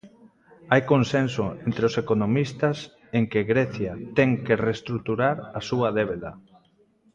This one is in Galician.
Hai consenso entre os economistas en que Grecia ten que reestruturar a súa débeda.